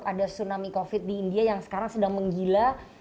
ada tsunami covid di india yang sekarang sedang menggila